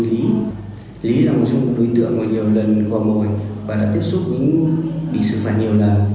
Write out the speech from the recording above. lý là một trong những đối tượng mà nhiều lần quà mồi và đã tiếp xúc với những bị xử phạt nhiều lần